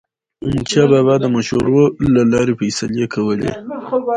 احمدشاه بابا به د مشورو له لارې فیصلې کولې.